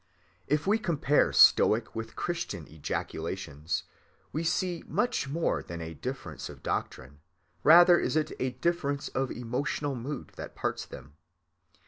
If we compare stoic with Christian ejaculations we see much more than a difference of doctrine; rather is it a difference of emotional mood that parts them.